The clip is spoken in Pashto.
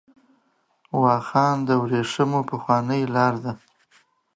واخان د ورېښمو پخوانۍ لار ده .